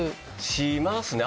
しますね。